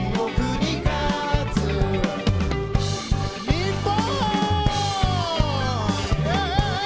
日本！